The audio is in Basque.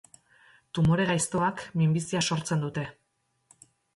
Tumore gaiztoak minbizia sortzen dute.